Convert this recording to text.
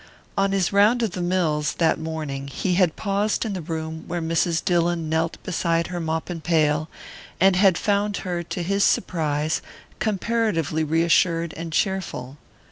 On his round of the mills, that morning, he had paused in the room where Mrs. Dillon knelt beside her mop and pail, and had found her, to his surprise, comparatively reassured and cheerful.